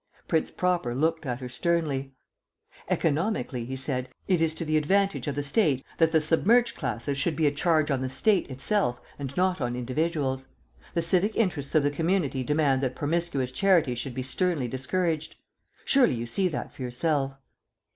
Prince Proper looked at her sternly. "Economically," he said, "it is to the advantage of the State that the submerged classes should be a charge on the State itself and not on individuals. The civic interests of the community demand that promiscuous charity should be sternly discouraged. Surely you see that for yourself?"